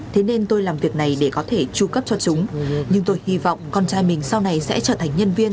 thế nên tôi làm việc này để có thể tru cấp cho chúng nhưng tôi hy vọng con trai mình sau này sẽ trở thành nhân viên